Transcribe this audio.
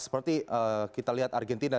seperti kita lihat argentina